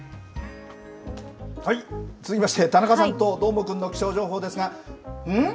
続きまして、田中さんとどーもくんの気象情報ですが、ん？